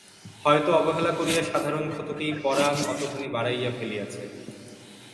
হয়তো অবহেলা করিয়া সাধারণ ক্ষতকেই পরান অতখানি বাড়াইয়া ফেলিয়াছে।